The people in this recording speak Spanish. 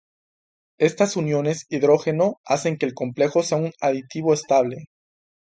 Estas uniones hidrógeno hacen que el complejo sea un aditivo estable.